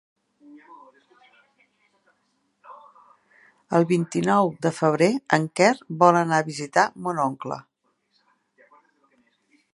El vint-i-nou de febrer en Quer vol anar a visitar mon oncle.